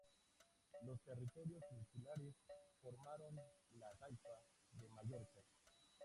Los territorios insulares formaron la taifa de Mallorca.